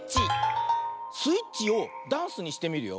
スイッチをダンスにしてみるよ。